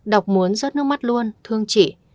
đọc muốn rớt nước mắt luôn thương chị